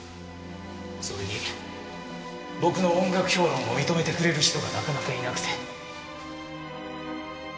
それに僕の音楽評論を認めてくれる人がなかなかいなくて。